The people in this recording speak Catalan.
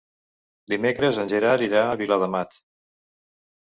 Dimecres en Gerard irà a Viladamat.